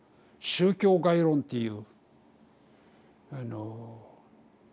宗教概論っていう。